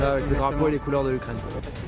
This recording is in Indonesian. ini adalah perjalanan pertama yang kita lakukan